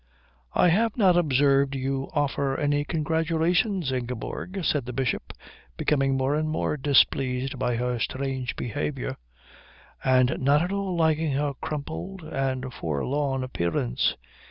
"I have not observed you offer any congratulations, Ingeborg," said the Bishop, becoming more and more displeased by her strange behaviour, and not at all liking her crumpled and forlorn appearance.